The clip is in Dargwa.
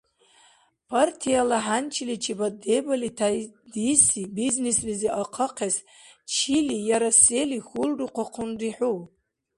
Партияла хӀянчиличибад дебали тяйдиси бизнеслизи ахъахъес чили яра сели хьулрухъахъунри хӀу?